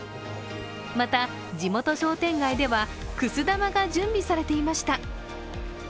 また、地元商店街ではくす玉が準備されていました。